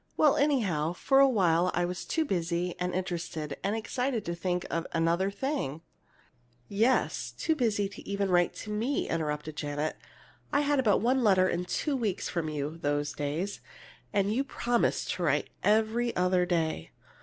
"Well, anyhow, for a while I was too busy and interested and excited to think of another thing " "Yes, too busy to even write to me!" interrupted Janet. "I had about one letter in two weeks from you, those days. And you'd promised to write every other day!"